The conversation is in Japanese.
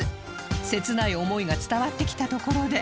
切ない思いが伝わってきたところで